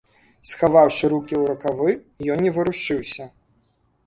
Схаваўшы рукі ў рукавы, ён не варушыўся.